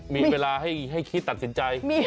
มีเวลาให้คิดตัดสินใจ